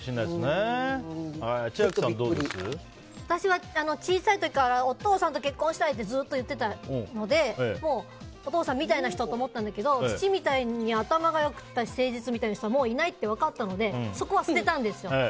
私は小さい時からお父さんと結婚したいってずっと言ってたのでお父さんみたいな人と思ったんだけど父みたいに頭が良かったり誠実みたいな人はもういないって分かったのでそこは捨てたんですよ。